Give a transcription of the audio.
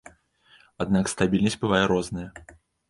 Аднак стабільнасць бывае розная.